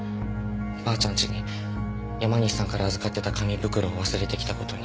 ばあちゃんちに山西さんから預かってた紙袋を忘れてきた事に。